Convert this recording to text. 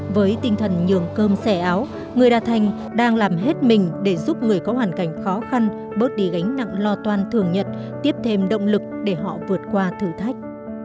với tinh thần nhường cơm xẻ áo người đa thành đang làm hết mình để giúp người có hoàn cảnh khó khăn bớt đi gánh nặng lo toan thường nhật tiếp thêm động lực để họ vượt qua thử thách